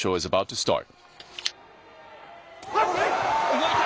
動いた。